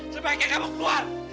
sebaiknya kamu keluar